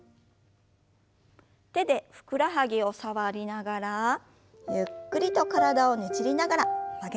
手でふくらはぎを触りながらゆっくりと体をねじりながら曲げましょう。